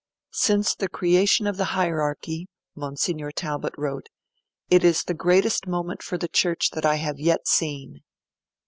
'Since the creation of the hierarchy,' Monsignor Talbot wrote, it is the greatest moment for the Church that I have yet seen.'